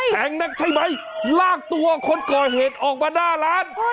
แกงนักใช่ไหมลากตัวคนก่อเหตุออกมาหน้าร้าน